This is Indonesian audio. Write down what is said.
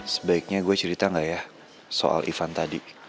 sebaiknya gue cerita nggak ya soal ivan tadi